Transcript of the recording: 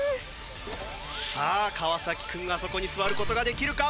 さあ川君があそこに座る事ができるか？